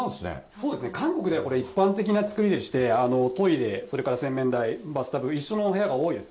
そうですね、韓国ではこれ、一般的な作りでして、トイレ、それから洗面台、バスタブ、一緒のお部屋が多いです。